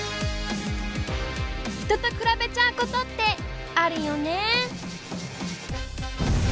人と比べちゃうことってあるよね。